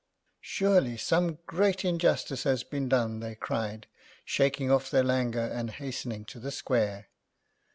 "Surely some great injustice has been done," they cried, shaking off their languor and hastening to the square.